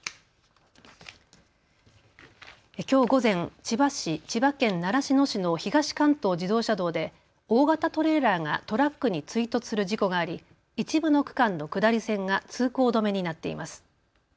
きょう午前、千葉県習志野市の東関東自動車道で大型トレーラーがトラックに追突する事故があり一部の区間の下り線が通行止めになっています。